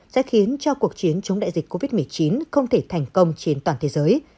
sẽ khiến cho cuộc chiến chống đại dịch covid một mươi chín không thể thành công trên toàn thế giới